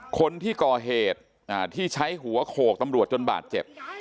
คนที่ก่อเหตุที่ใช้หัวโขกตำรวจจนบาดเจ็บ